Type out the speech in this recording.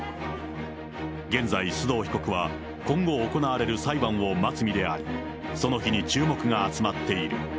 現在、須藤被告は、今後行われる裁判を待つ身であり、その日に注目が集まっている。